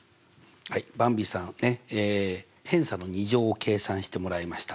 はいばんびさんね偏差の２乗を計算してもらいました。